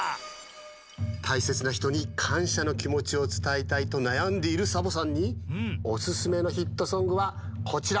大切なひとに感謝の気持ちを伝えたいとなやんでいるサボさんにおすすめのヒットソングはこちら！